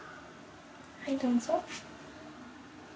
はいどうぞ。